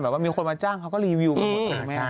แบบว่ามีคนมาจ้างเขาก็รีวิวกัน